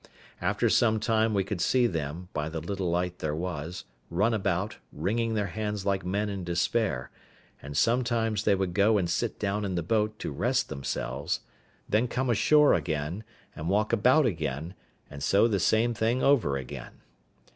After some time we could see them, by the little light there was, run about, wringing their hands like men in despair, and sometimes they would go and sit down in the boat to rest themselves: then come ashore again, and walk about again, and so the same thing over again.